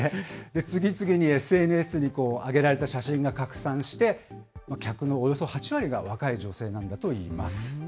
次々にＳＮＳに上げられた写真が拡散して、客のおよそ８割が若い女性なんだといいます。